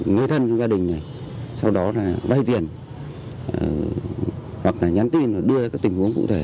ngôi thân trong gia đình sau đó vay tiền hoặc nhắn tin và đưa ra các tình huống cụ thể